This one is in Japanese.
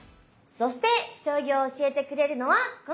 そして将棋を教えてくれるのはこの方！